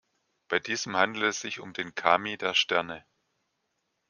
Bei diesem handelt es sich um den Kami der Sterne.